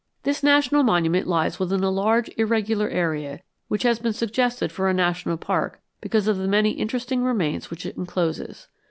This national monument lies within a large irregular area which has been suggested for a national park because of the many interesting remains which it encloses.